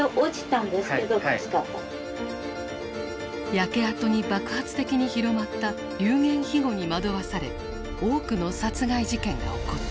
焼け跡に爆発的に広まった流言飛語に惑わされ多くの殺害事件が起こった。